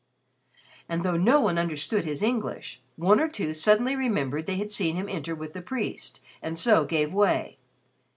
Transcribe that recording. And though no one understood his English, one or two suddenly remembered they had seen him enter with the priest and so gave way.